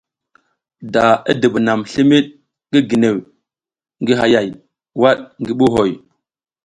Da i dibunam limid ngi ginew ngi hayay wad ngi buhoy.